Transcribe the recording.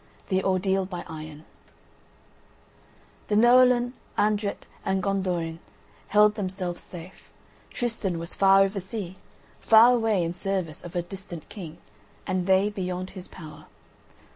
THE ORDEAL BY IRON Denoalen, Andret, and Gondoin held themselves safe; Tristan was far over sea, far away in service of a distant king, and they beyond his power.